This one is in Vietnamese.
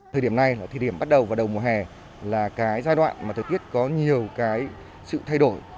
thời điểm này là thời điểm bắt đầu vào đầu mùa hè là cái giai đoạn mà thời tiết có nhiều cái sự thay đổi